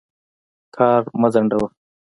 کار مه ځنډوه.